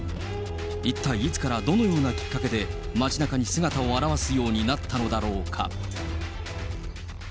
一体いつから、どのようなきっかけで、街なかに姿を現すようになったのだろうか。